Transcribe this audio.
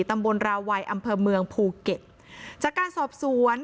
ตำบลราวัยอำเภอเมืองภูเก็ตจากการสอบสวน